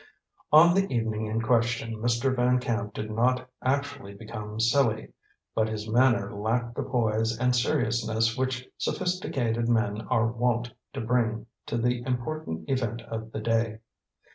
On the evening in question Mr. Van Camp did not actually become silly, but his manner lacked the poise and seriousness which sophisticated men are wont to bring to the important event of the day.